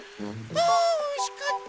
あおいしかった。